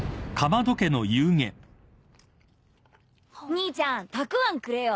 兄ちゃんたくあんくれよ。